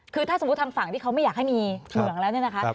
คือถ้าสมมุติทางฝั่งที่เขาไม่อยากให้มีเหมืองแล้วเนี่ยนะคะ